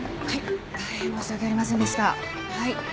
はい。